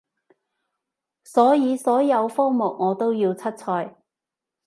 所以所有科目我都要出賽